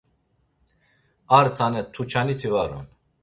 Ar tane tuçaniti var on.